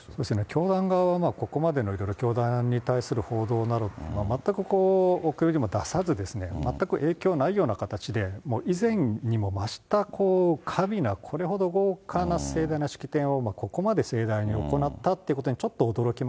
教団側はここまでのいろいろな教団に対する報道など、全くおくびにも出さず全く影響もないような形で、以前にも増した、華美な、これほど豪華な盛大な式典をここまで盛大に行ったということにち